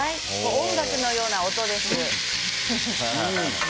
音楽のような音です。